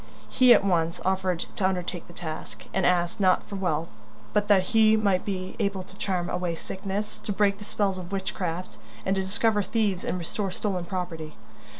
He at once offered to undertake the task, and asked, not for wealth, but that he might be able to charm away sickness, to break the spells of witchcraft, and to discover thieves and restore stolen property.